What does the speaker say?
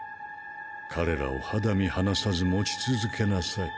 彼らを肌身離さず持ち続けなさい。